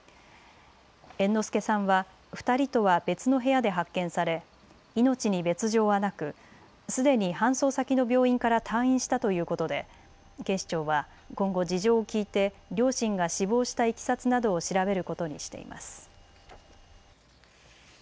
猿之助さんは２人とは別の部屋で発見され命に別状はなくすでに搬送先の病院から退院したということで警視庁は今後、事情を聴いて両親が死亡したいきさつなどを調べることにしています。